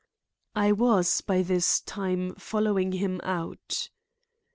I was by this time following him out.